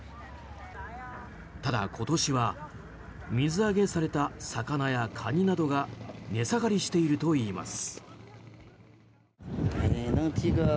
ただ、今年は水揚げされた魚やカニなどが値下がりしているといいます。